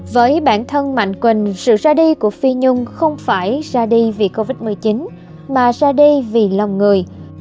với bản thân mạnh quỳnh sự ra đi của phi nhung không phải ra đi vì covid một mươi chín mà ra đi vì lòng người